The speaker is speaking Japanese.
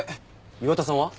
岩田さんは？